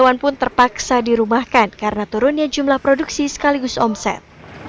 hewan pun terpaksa dirumahkan karena turunnya jumlah produksi sekaligus omset